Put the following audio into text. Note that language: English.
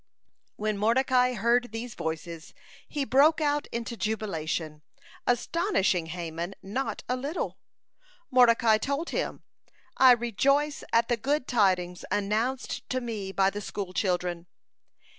When Mordecai heard these verses, he broke out into jubilation, astonishing Haman not a little. Mordecai told him, "I rejoice at the good tidings announced to me by the school children."